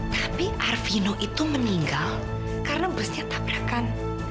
tapi arvino itu meninggal karena busnya tabrakan